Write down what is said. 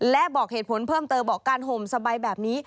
และบอกเหตุผลเพิ่มเติมบอกการห่มสบายแบบนี้